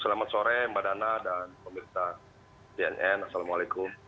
selamat sore mbak dana dan pemerintah cnn assalamualaikum